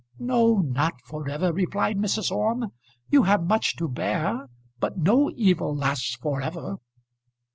"No, not for ever," replied Mrs. Orme. "You have much to bear, but no evil lasts for ever."